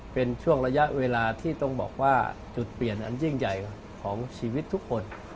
เป็นช่วงระยะเวลาที่ต้องบอกว่าจุดเปลี่ยนอันยิ่งใหญ่ของชีวิตทุกคน